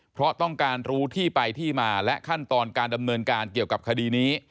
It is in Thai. เพราะต้องการรู้ที่ไปที่มาและขั้นตอนการดำเนินการเกี่ยวกับคดีนี้